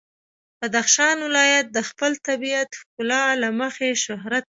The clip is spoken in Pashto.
بدخشان ولایت د خپل طبیعي ښکلا له مخې شهرت لري.